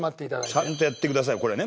ちゃんとやってくださいこれね。